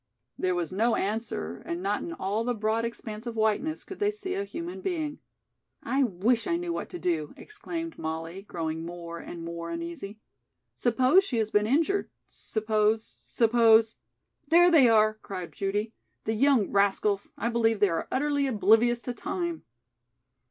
There was no answer and not in all the broad expanse of whiteness could they see a human being. "I wish I knew what to do," exclaimed Molly, growing more and more uneasy. "Suppose she has been injured suppose suppose " "There they are!" cried Judy. "The young rascals, I believe they are utterly oblivious to time."